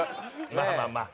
まあまあまあ。